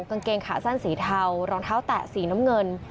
กางเกงขาสั้นสีเทารองเท้าแตะสีน้ำเงิน